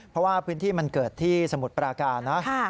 เพราะว่าพื้นที่มันเกิดที่สมุทรปราการนะ